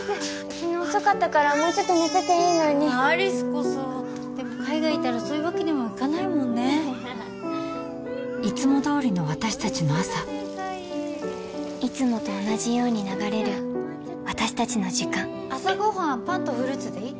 昨日遅かったからもうちょっと寝てていいのに有栖こそでも海がいたらそういうわけにもいかないもんねいつもどおりの私達の朝いつもと同じように流れる私達の時間朝ご飯パンとフルーツでいい？